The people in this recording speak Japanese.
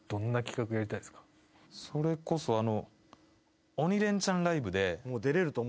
それこそあの。